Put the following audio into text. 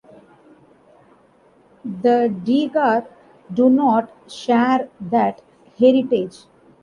The Degar do not share that heritage.